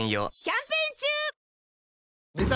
キャンペーン中！